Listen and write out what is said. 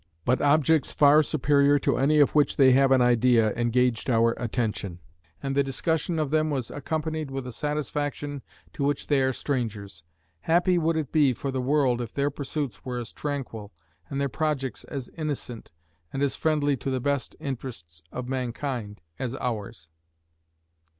But objects far superior to any of which they have an idea engaged our attention, and the discussion of them was accompanied with a satisfaction to which they are strangers. Happy would it be for the world if their pursuits were as tranquil, and their projects as innocent, and as friendly to the best interests of mankind, as ours.